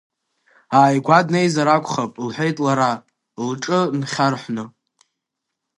Ааигәа днеизар акәхап, — лҳәеит лара, лҿы нхьарҳәны.